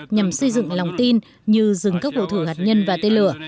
nhằm xây dựng lòng tin như dừng các vụ thử hạt nhân và tên lửa